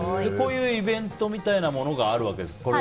こういうイベントみたいなものがあるんですか？